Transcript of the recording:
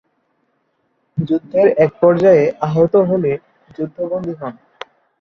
যুদ্ধের এক পর্যায়ে আহত হলে যুদ্ধবন্দী হন।